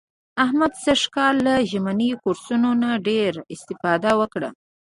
احمد سږ کال له ژمني کورسونو نه ډېره اسفاده وکړه.